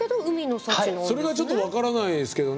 それじゃちょっと分からないですけどね。